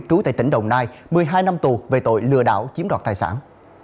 trú tại tỉnh đồng nai một mươi hai năm tù về tội lừa đảo chiếm đoạt tài sản